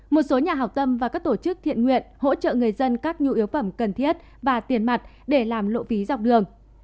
một số nhà hảo tâm và các tổ chức thiện nguyện hỗ trợ người dân các nhu yếu phẩm cần thiết và tiền mặt để làm lộ ví dọc đường